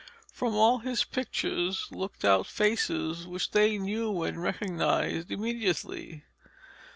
From all his pictures looked out faces which they knew and recognised immediately.